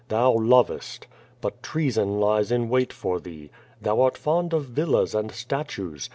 Thou lovest. But treason lies in wait for thee. Thou art fond of villas and statues.